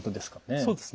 そうですね。